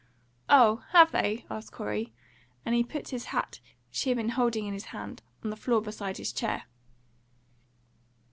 "Oh, have they?" asked Corey; and he put his hat, which he had been holding in his hand, on the floor beside his chair.